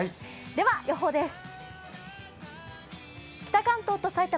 では、予報です。